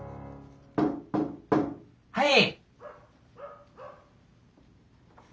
・はい！